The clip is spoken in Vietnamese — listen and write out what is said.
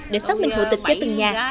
để xác minh hội tịch cho từng nhà